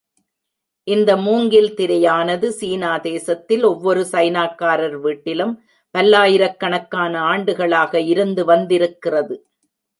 இந்த மூங்கில் திரையானது சீனா தேசத்தில் ஒவ்வொரு சைனாக்காரர் வீட்டிலும் பல்லாயிரக் கணக்கான ஆண்டுகளாக இருந்து வந்திருக்கிறது.